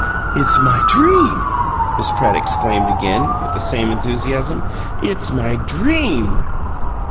"It's my DREAM!" Miss Pratt exclaimed, again, with the same enthusiasm. "It's my DREAM."